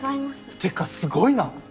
ってかすごいな！